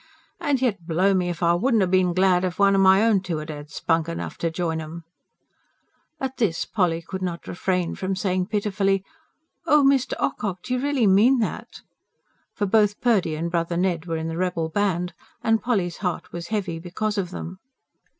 An' yet, blow me if I wouldn't 'a bin glad if one o' my two 'ad 'ad spunk enough to join 'em," at this Polly could not refrain from saying pitifully: "Oh, Mr. Ocock, do you really MEAN that?" For both Purdy and brother Ned were in the rebel band, and Polly's heart was heavy because of them.